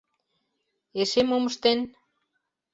Эше мом ыштен?